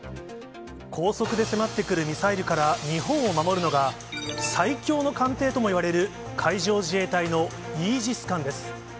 高速で迫ってくるミサイルから日本を守るのが、最強の艦艇ともいわれる、海上自衛隊のイージス艦です。